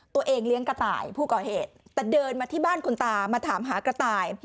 เลี้ยงกระต่ายผู้ก่อเหตุแต่เดินมาที่บ้านคุณตามาถามหากระต่าย